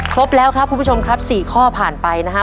ครบแล้วครับคุณผู้ชมครับ๔ข้อผ่านไปนะฮะ